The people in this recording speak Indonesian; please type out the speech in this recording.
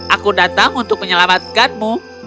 aku datang untuk menyelamatkanmu